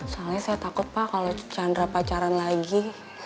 soalnya saya takut pak kalau chandra pacaran lagi